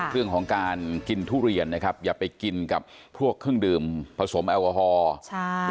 เรื่องของการกินทุเรียนนะครับอย่าไปกินกับพวกเครื่องดื่มผสมแอลกอฮอล์ใช่